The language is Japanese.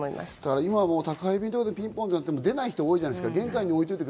今、宅配便とかでピンポンって鳴っても出ない人が多いじゃないですか。